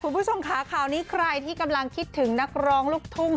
คุณผู้ชมค่ะข่าวนี้ใครที่กำลังคิดถึงนักร้องลูกทุ่ง